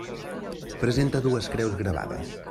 Presenta dues creus gravades.